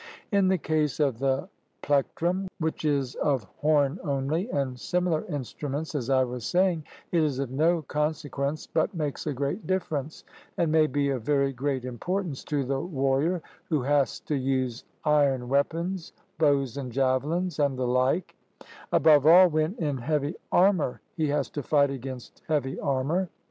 In the case of the plectrum, which is of horn only, and similar instruments, as I was saying, it is of no consequence, but makes a great difference, and may be of very great importance to the warrior who has to use iron weapons, bows and javelins, and the like; above all, when in heavy armour, he has to fight against heavy armour.